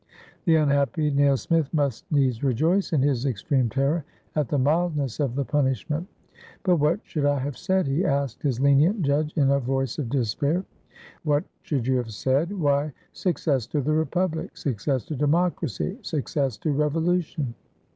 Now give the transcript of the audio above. The unhappy nailsmith must needs rejoice, in his ex treme terror, at the mildness of the punishment. "But what should I have said?" he asked his lenient judge, in a voice of despair. "What should you have said? Why, 'Success to the republic! Success to democracy! Success to revolu tion!'"